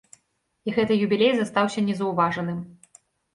І гэты юбілей застаўся незаўважаным.